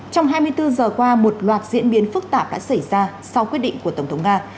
trong hai mươi bốn giờ qua một loạt diễn biến phức tạp đã xảy ra sau quyết định của tổng thống nga